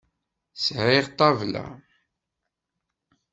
Sɛiɣ ṭṭabla.